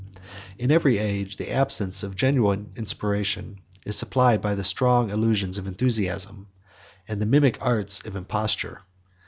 ] In every age, the absence of genuine inspiration is supplied by the strong illusions of enthusiasm, and the mimic arts of imposture.